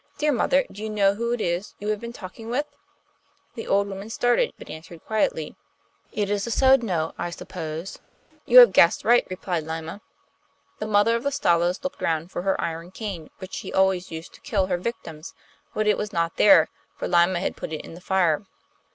'Dear mother, do you know who it is you have been talking with?' The old woman started, but answered quietly: 'It is a Sodno, I suppose?' 'You have guessed right,' replied Lyma. The mother of the Stalos looked round for her iron cane, which she always used to kill her victims, but it was not there, for Lyma had put it in the fire.